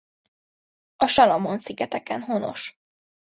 A Salamon-szigeteken honos.